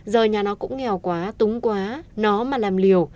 giờ nhà nó cũng nghèo quá tống quá nó mà làm liều